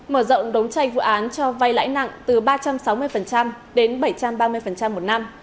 mở rộng đấu tranh vụ án cho vay lãi nặng từ ba trăm sáu mươi đến bảy trăm ba mươi một năm